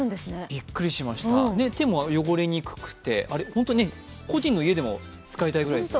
びっくりしました、手も汚れにくくて本当に個人の家でも使いたいぐらいですよね。